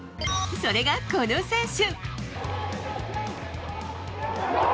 それが、この選手。